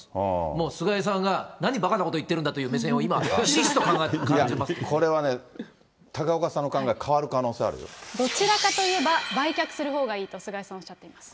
もう菅井さんが何ばかなこと言ってるんだという目線を今、ひしひこれはね、高岡さんの考え、どちらかといえば、売却するほうがいいと菅井さんはおっしゃってます。